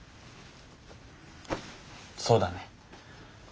そうだね。